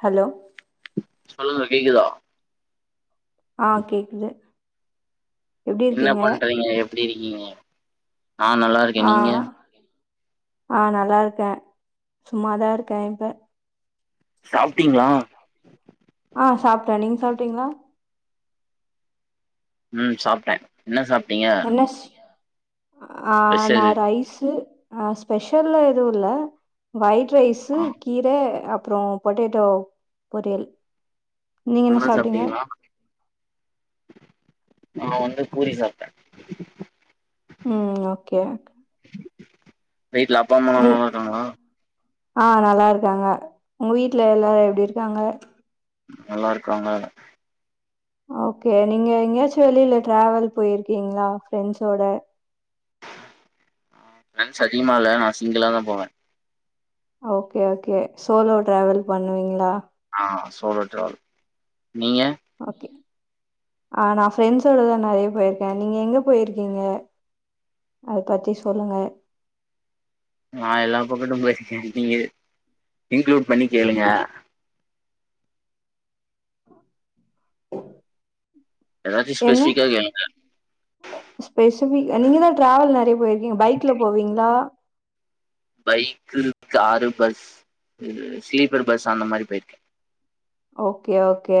Hello சொல்லுங்க கேக்குதா ஆ கேக்குது எப்டி என்ன இருக்கீங்க பண்றீங்க எப்டி இருக்கீங்க நா நல்லா இருக்கேன் ஆ நீங்க ஆ நல்லா இருக்கேன் சும்மாதான் இருக்கேன் இப்ப சாப்ட்டீங்களா ஆ சாப்ட்டேன் நீங்க சாப்ட்டீங்களா ம் சாப்ட்டேன் என்ன சாப் என்னஸ் ஆ நா ஸ்பெஷல் ரைஸு ஆ ஸ்பெஷல்லா எதுவு இல்ல ஒயிட் ரைஸூ ஆ கீர அப் அப்புறொ பொட்டேட்டோ பொரியல் நீங்க என்ன நல்லா சாப்ட்டீங்க சாப்ட்டீங்களா நா வந்து பூரி சாப்ட்டே ம் ஓகே வீட்ல அப்பா அம்மால்லா நீ நல்லாருக்காங்களா ஆ நல்லா இருக்காங்க உங்க வீட்ல எல்லாரும் எப்டி இருக்காங்க நல்லா இருக்காங்க ஓகே நீங்க எங்கயாச்சு வெளியில டிராவல் போயிருக்கீங்களா ஃபிரெண்ட்ஸோட ப்ரெண்ட்ஸ் அதிகமா இல்ல நா சிங்களாதா போவேன் ஓகே ஓகே சோலோ ட்ராவல் பண்ணுவீங்களா ஆ சோலோ ட்ராவல் நீங்க ஓகே ஆ நா ஃப்ரெண்ட்ஸோடதா நெறையா போயிருக்கேன் நீங்க எங்க போயிருக்கீங்க அத பத்தி சொல்லுங்க நா எல்லா பக்கத்தும் பேய்ருக்கேன் நீங்க இன்க்ளூட் பண்ணி கேளுங்க ட் ஏதாச்சு என்ன ஸ்பெசிஃபிக்கா கேளுங்க ஸ்பெசிவி எங்களா ட்ராாவல் நெறைய போயிருக்கீங்க பைக்ல போவீங்ளா பைக்கு காரு பஸ் இது ஸ்லீப்பர் பஸ் அந்த மாரி பெயிருக்கேன் ஓகே ஓகே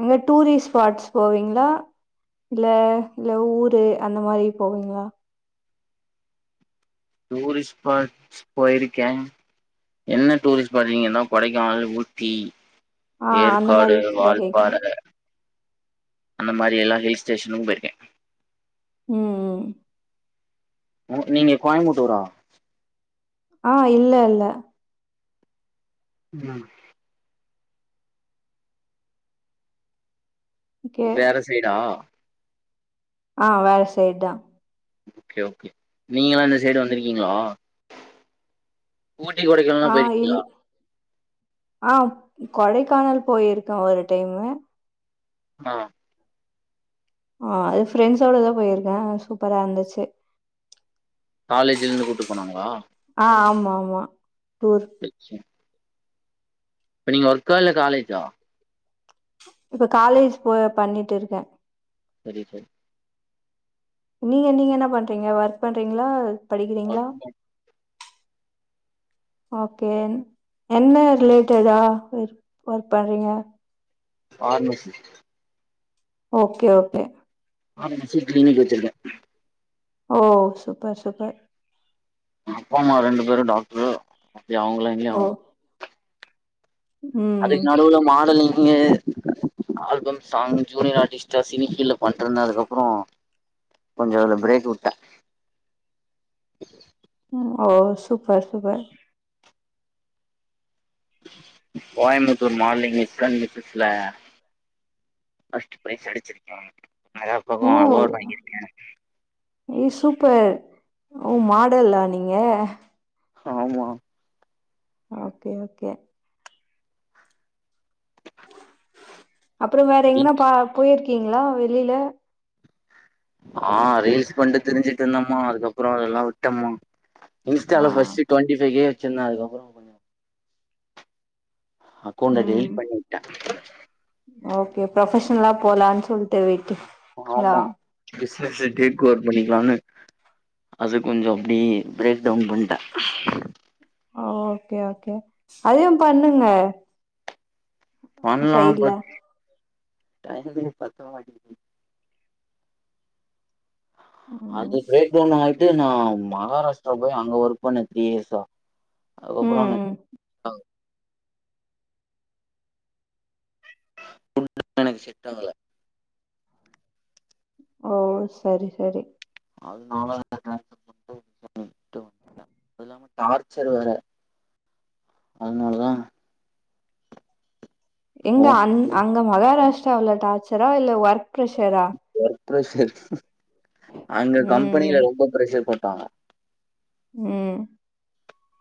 எங்க டூரிஸ்ட் ஸ்பாட்ஸ் போவீங்களா இல்ல இல்ல ஊரு அந்த மாரி போவீங்களா டூரிஸ்ட் ஸ்பாட்ஸ் போயிருக்கேன் என்ன டூரிஸ்ட் பாதிங்கனா கொடைக்கானல் ஊட்டீ ஆ அந்த மாரி ஏற்காடு இதா வாழ்பாற கேக்குறே அந்த மாரி எல்லா ஹில் ஸ்டேஷனு போயிருக்கே ம் ம் உ நீங்க கோயம்புட்டூரா ஆ இல்ல இல்ல ம் ஓகே வேற சைடா ஆ வேற சைட் தா ஓகே ஓகே நீங்கெல்லா இந்த சைடு வந்துருக்கீங்களா ஊட்டி கொடைக்கானல் எல்லா ஆ இல் போயிருக்கிங்களா ஆ கொடைக்கானல் போயிருக்க ஒரு டைம்மு ஆ ஆ அது ஃப்ரெண்ட்ஸோட தா போயிருக்கே அ சூப்பரா இருந்துச்சு ச் காலேஜ்ல இருந்து கூட்டு போனாங்களா ஆ ஆமா ஆமா டூர் ச் ம் இப்ப நீங்க ஒர்க்கா இல்ல காலேஜா இப்ப காலேஜ் போ பண்ணிட்டு இருக்கே சரி சரி நீங்க நீங்க என்ன பண்றீங்க ஒர்க் பண்றீங்களா படிக்கிறீங்களா ஓகே என்ன ரிலேட்டடா ஒர்க் பண்றீங்க pharmacy okay okay pharmacy clinic வச்சிருக்கே ஓ சூப்பர் சூப்பர் அப்பா அம்மா ரெண்டு பேரு டாக்ட்ரு அப்டியே அவங்க லைன்லயே ஓ வந் ம் அதுக்கு நடுவுல மாடலிங்கு ஆல்பம் சாங் ஜூனியர் ஆர்டிஸ்ட்டா சினி ஃபீல்ல பண்டிருந்த அதுக்கு அப்புறோ கொஞ்சோ அத பிரேக் வுட்ட ஓ super super Coimbatore modelling mister and மிசஸ்ல ஃபஸ்ட் ப்ரைஸ் அடிச்சிருக்கே அது அப்பறமா ஓ அவார்ட் வாங்கிருக்கே ஏ சூப்பர் ஓ மாடல்லா நீங்க ஆமா ஓகே ஓகே அப்புறோ வேற எங்கனா பா போயிருக்கீங்களா வெளில ஆ ரீல்ஸ் பண்டு திரிஞ்சுட்டு இருந்தம்மா அதுக்கப்புற அதெல்லா விட்ட மா ஆ இன்ஸ்டால ஃபஸ்ட்டு டுவெண்டி ஃபைவ் கே வச்சிருந்த அதுக்கு அப்பறோ கொஞ்சோ அக்கௌண்ட ம் டெலிட் பண்ணி விட்ட ஓகே ப்ரொபஷனலா போலான் சொல்ட்டு விட் ஆமா பிசினஸ் அ டேட்கவர் பண்ணிக்கலானு அது கொஞ்ச அப்டி பிரேக் டவுன் பண்ணிட்டே ஓகே ஓகே அதையு பண்ணுங்க பண்லா சைட்ல பட் டைம்மே பத்தமாட்டேங்கி ம் அது பிரேக்டவு ஆயிட் ட்டு நா மகாராஷ்டிரா போய் அங்க ஒர்க் பண்ண த்ரீ இயர்ஸா ம் அதுக்கப்பற அங்க ம் ஃபுட்லா எனக்கு செட் ஆகல ஓ சரி சரி அதுனால [inaudible] டு வந்துட்ட அது இல்லாம டார்ச்சர் வேற அதனாலதா எங்க ஒர்க் அங் அங்க மகாராஷ்டிராவுல டார்ச்சரா இல்ல ஒர்க் பிரெஷரா ப்ரெஷர் அங்க ம் கம்பெனில ரொம்ப ப்ரெஷர் போட்டாங்க ம்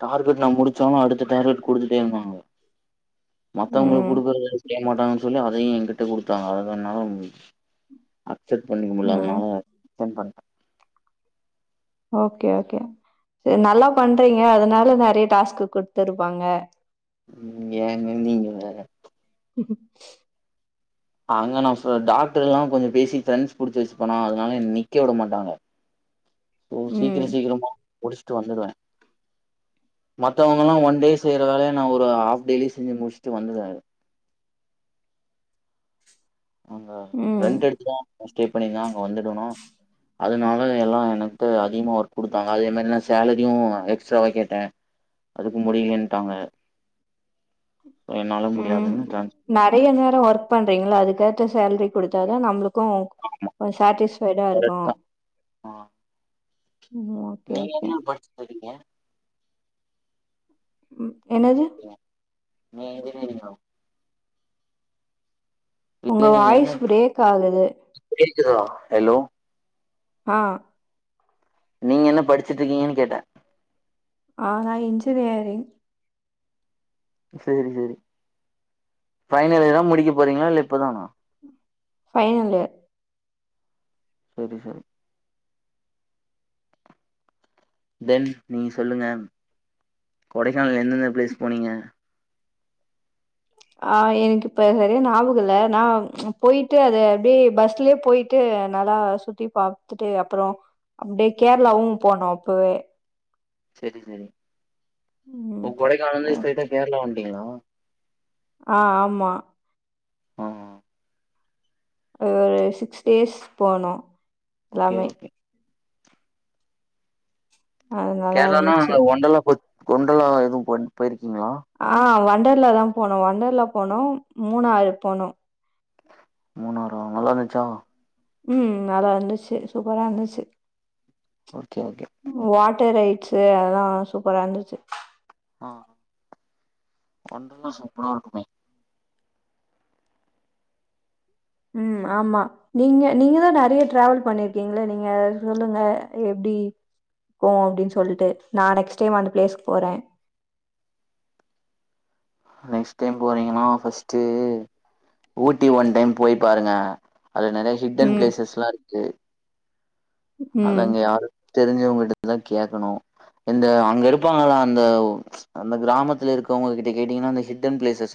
டார்கெட் நா முடிச்சாலு அடுத்த டார்கெட் குடுத்துட்டே இருந்தாங்க மத்தவங்களுக்கு ம் குடுக்கற செய் மாட்டாங்கன் சொல்லி அதையு எங்கிட்ட குடுத்தாங்க அதனால அக்செட் பண்ணிக்க ம் முடியாதுனால ரிசென் பட் ஓகே ஓகே சரி நல்லா பண்றீங்க அதனால நெறைய டாஸ்க்கு குடுத்துருப்பாங்க ம் ஏங்க நீங்க வேற அங்க நா சில டாக்டர்ல்லா கொஞ்சோ பேசி ஃப்ரெண்ட்ஸ் புடிச்சு வச்சுபனா அதனால என்ன நிக்க விட மாட்டாங்க போ சீக்கிர ம் சீக்கிரமா முடிச்சுட்டு வந்துருவ மத்தவங்கல்லா ஒன் டே செய்ற வேலய நா ஒரு ஆஃப் டேலே செஞ்சு முடிச்சுட்டு வந்துருவ அங்க ம் ரெண்ட் எடுத்துதா ஸ்டே பண்ணிந்த அங்க வந்துடணு அதனால எல்லா எனக்கு த அதிகமா ஒர்க் குடுத்தாங்க அத என்னனா சேலரியு எக்ஸ்ட்ராவா கேட்ட அதுக்கு முடியலன்ட்டாங்க என்னால ம் முடியாதுன்னு ட்ரான்ஸ்ஃபர் நறைய நேரோ ஒர்க் பண்றீங்கல்ல அதுக்கேத்த சேலரி குடுத்தாதா நம்ளுக் க்கு கொஞ்சோ சட்டிஸ்ஃபைடா இருக்கு எடுத்தே ஆ ம் ஓகே நீங்க ஓகே என்ன படிச்சிட்டு இருக்கீங்க ம் என்னது நீ இன்ஜினியரிங்கா இல்ல உங்க நீங்க என்ன வாய்ஸ் பிரேக் ஆகுது. கேக்குதா ஹலோ ஆ நீங்க என்ன படிச்சிட்ருக்கீங்கன்னு கேட்டே ஆ நா இன்ஜினியரிங் சேரி சேரி பைனல் இயரா முடிக்க போறீங்களா இல்ல இப்பதானா ஃபைனலு செரி செரி தென் நீங்க சொல்லுங்க கொடைக்கானல்ல எந்தெந்த பிளேஸ் போனீங்க ஆ எனக்கு இப்ப சரியா ஞாபகோ இல்ல நா போயிட்டு அது அப்டியே பஸ்லயே போயிட்டு ட்டு நல்லா சுத்தி பாத்துட்டு அப்றோ அப்டியே கேரளாவு போனோ அப்பவே செரி செரி ம். ஓ கொடைக்கானலருந்து ஸ்ட்ரைட்டா கேரளா வந்துட்டீங்களா ஆ ஆமா ஆ ஆ ஒரு சிக்ஸ் டேஸ் போனோ ஓகே ஓகே அது நல்லா கேரளான்னா இருந்துச்சு. அங்க ஒண்டல்லா போ ஒண்டல்லா எதுவு போனீ போயிருக் ஆ வொண்டர்லாதா போனோ வொண்டர்லா போனோ மூணாறு போனோ மூணாறா நல்லாருந்துச்சா ம் நல்லா இருந்துச்சி சூப்பரா இருந்துச்சி ஓகே ஓகே வாட்டர் ரைட்ஸ் அதெல்லா சூப்பரா இருந்துச்சி ஆ ஒண்டர்லா சூப்பரா இருக்குமே ம் ஆமா நீங்க நீங்கதா நெறையா டிராவல் பண்ணிருக்கீங்களே நீங்க சொல்லுங்க எப் டி போவோ அப்டின்னு சொல்ட்டு நா நெக்ஸ்ட் டைம் அந்த பிளேஸ்கு போறே நெக்ஸ்ட் டைம் போறீங்கன்னா ஃபஸ்ட்டு ஊட்டி ஒன் டைம் போய் பாருங்க அதுல நிறைய ஹிட்டன் ம், பிளேசஸ்லா இருக்கு ம். அத ம். அங்க யாரு தெரிஞ்சவங்கிட்டதா கேக்கணு இந்த அங்க இருப்பாங்கள அந்த அந்த கிராமத்துல இருக்கவங்க கிட்ட கேட்டீங்கன்னா அந்த ஹிட்டன் பிளேசஸ்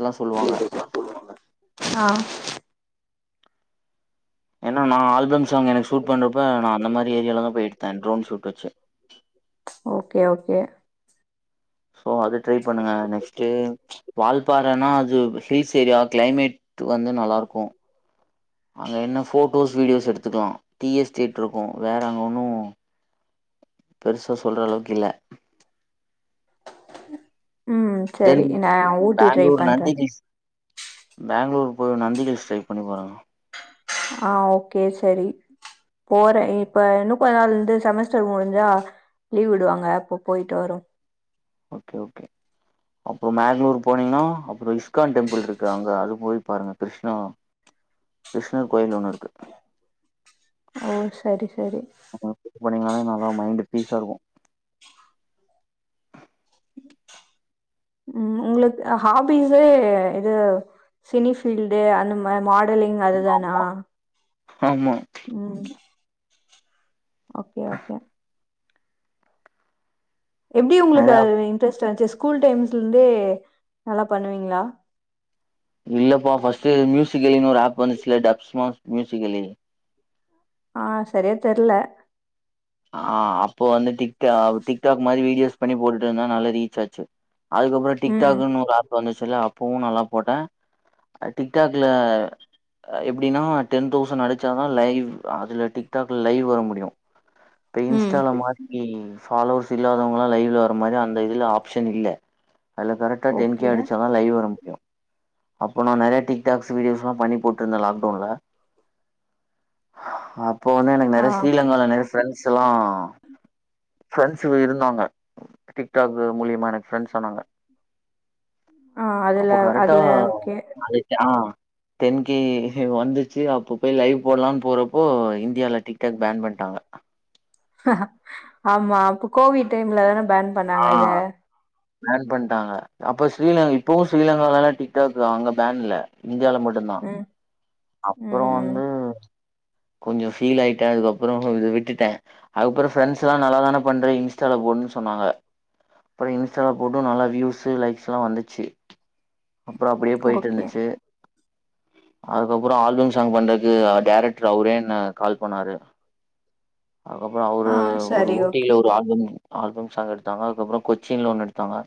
ஆ ஏன்னா நா ஆல்பம் சாங் எனக்கு ஷூட் பண்றப்ப நா அந்த மாரி ஏரியால தா எடுத்தே ட்ரோன் ஷூட் வெச்சு ஓகே ஓகே சோ அது ட்ரை பண்ணுங்க நெக்ஸ்ட்டு வால்பாறன்னா அது ஹில்ஸ் ஏரியா கிளைமேட் வந்து நல்லாருக்கோ அங்க என்ன ஃபோட்டோஸ் வீடியோஸ் எடுத்துக்கலா டி எஸ்டேட் இருக்கோ வேற அங்க ஒன்னோ பெருசா சொல்ற அளவுக்கு இல்ல ம் தென் செரி நா ஊட்டி ட்ரை பண்ற பெங்ளூரு போய் நந்தி ஹில்ஸ் ட்ரை பண்ணி பாருங்க ஆ ஓகே செரி போறே இப்ப இன்னு கொஞ்ச நாள்ல வந்து செமஸ்டர் முடிஞ்சா லீவ் விடுவாங்க அப்போ போயிட்டு வரோ ஓகே ஓகே அப்போ மேங்ளூர் போனீங்கன்னா அப்புறோ இஸ்கான் டெம்பிள் இருக்கு அங்க அது போய் பாருங்க கிருஷ்ணா கிருஷ்ணர் கோயில் ஒண்ணு இருக்கு ஓ செரி செரி அங்க [unintelligible] பண்ணீங்கனாலே நல்லா மைண்ட் ஃபீஸா இருக்கோ ம் உங்களுக்கு ஹாபிஸ்ஸே இது சினி ஃபீல்ட்டு அந்த மாரி மா டலிங் அதுதானா ஆமா ம் ஓகே ஓகே எப்டி நெறையா உங்களுக்குஅது இன்ட்ரெஸ்ட் வந்ச்சு ஸ்கூல் டைம்ஸ்ல இருந்தே நல்லா பண்ணுவீங்களா இல்லப்பா ஃபர்ஸ்ட்டு மியூசிகலினு ஒரு ஆப் வந்துச்சுலா டப் ஸ்மாஷ் மியூசிகலி ஆ சரியா தெர்ல ஆ அப்போ வந்து டிக்டா டிக்டாக் மாரி வீடியோஸ் பண்ணி போட்டுட்டுருந்தா நல்லா ரீச் ஆச்சு அதுக்கப்புற ம் டிக்டாக்ன்னு ஒரு ஆப் வந்துச்சுல்ல அப்பவு நல்லா போட்டே அது டிக்டாக்ல எப்டின்னா டென் தௌசண்ட் அடிச்சாதான் லைவ் அதுல டிக்டாக்ல லைவ் வர முடியு இப்ப ம் இன்ஸ்டால மாரி ஃபாலோவர்ஸ் இல்லாதவங்களா லைவ்ல வர மாரி அந்த இதுல ஆப்ஷன் இல்ல அதுல கரெக்டாக டென் ஓகே. கே அடிச்ச தா லைவ் வர முடியு அப்போ நா நறைய டிக்டாக்ஸ் வீடியோஸ்லா பண்ணி போட்ருந்தே லாக்டவுன்ல அப்போ வந்து எனக்கு ஆ நறைய அப் ஸ்ரீலங்கால நறைய ஃப்ரெண்ட்ஸ்லா ஃப்ரெண்ட்ஸ் இருந்தாங்க டிக்டாக் மூலியமா எனக்கு ஃப்ரெண்ட்ஸ் ஆனாங்க ஆ அதுல அப்ப கரெக்டா அதுல ஓகே. [unintelligible] டென் கே வந்துச்சு அப்ப போய் லைவ் போடலானு போறப்போ இந்தியால டிக்டாக் பேன் பண்டாங்க அ ஆமா அப்ப கோவிட் டைம்ல தானே பேன் ஆ பண்ணாங்க அத பேன் பண்ட்டாங்க அப்ப ஸ்ரீலங் இப்பவு ஸ்ரீலங்காவல்லால டிக்டாக் அங்க பேன்ல இந்தியால மட்டு தா ம் அப்புற ம் வந்து கொஞ்சம் ஃபீல் ஆயிட்டே அதுக்கப்புற இ விட்டுட்டே அதுக்கப்புற ஃப்ரண்ட்ஸ்லா நல்லாதான பண்ற இன்ஸ்டால போடு சொன்னாங்க அப்புற இன்ஸ்டால போட்டு நல்லா வியூஸ் லைக்ஸ்லா வந்துச்சு அப்புற அப்டியே ஓகே. போயிட்ருந்துச்சு அதுக்கப்புற ஆல்பம் சாங் பண்றதுக்கு டைரக்டர் அவரேன்ன கால் பண்ணாரு அதுக்கப்புற ஆ அவரு ஒரு சரி ஓகே. ஊட்டில ஒரு ஆல்பம் ஆல்பம் ஸாங் எடுத்தாங்க அதுக்கப்புற கொச்சின்ல ஒண்ணு எடுத்தாங்க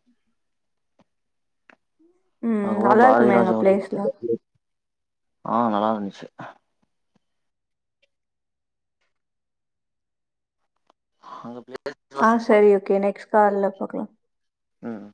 ம் அதுக்ப்புற நல்லாருக்குமே எங்க பாரதிராஜா பிளேஸ்லா. [inaudible] ஆ நல்லா இருந்துச்சு அங்கப் [inaudible] அ செரி ஓகே நெக்ஸ்ட் கால்ல பாக்லா ம்‌ ம்